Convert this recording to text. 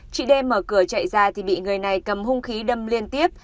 chị đem mở cửa chạy ra thì bị người này cầm hung khí đâm liên tiếp